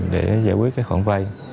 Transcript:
để giải quyết cái khoản vay